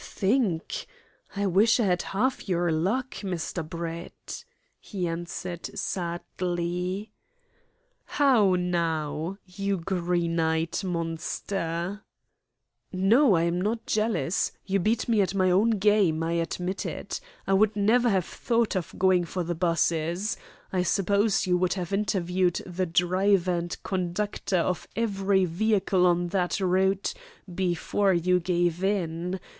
"Think! I wish I had half your luck, Mr. Brett," he answered sadly. "How now, you green eyed monster?" "No. I'm not jealous. You beat me at my own game; I admit it. I would never have thought of going for the 'buses. I suppose you would have interviewed the driver and conductor of every vehicle on that route before you gave in.